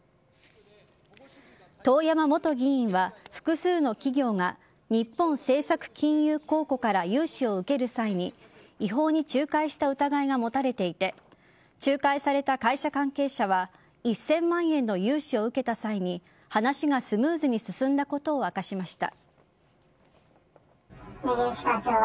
遠山元議員は複数の企業が日本政策金融公庫から融資を受ける際に違法に仲介した疑いが持たれていて仲介された会社関係者は１０００万円の融資を受けた際に話がスムーズに進んだことを明かしました。